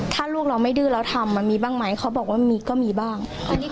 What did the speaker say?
ถ้าลูกเราไม่ดื้อเราทำมันมีบ้างไหมเขาบอกว่ามีก็มีบ้าง